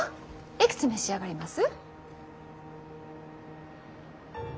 いくつ召し上がります？